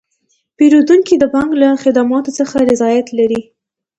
پیرودونکي د بانک له خدماتو څخه رضایت لري.